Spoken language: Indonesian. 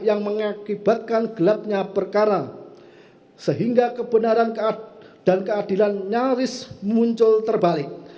yang mengakibatkan gelapnya perkara sehingga kebenaran dan keadilan nyaris muncul terbalik